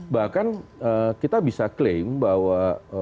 bahkan kita bisa klaim bahwa